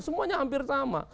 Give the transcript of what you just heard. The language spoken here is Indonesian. semuanya hampir sama